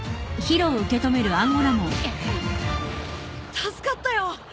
助かったよ！